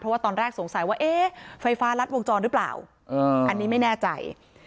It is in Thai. ว่าตอนแรกสงสัยว่าเอ๊ะไฟฟ้ารัดวงจรหรือเปล่าอันนี้ไม่แน่ใจ